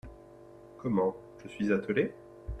Comment, je suis attelée ?